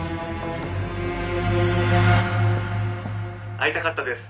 会いたかったです